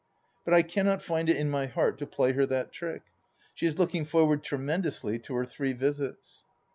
... But I cannot find it in my heart to play her that trick. She is looking forward tremendously to her three vjsiti.